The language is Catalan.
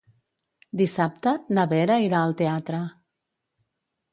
Dissabte na Vera irà al teatre.